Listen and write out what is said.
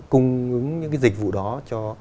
cung ứng những dịch vụ đó cho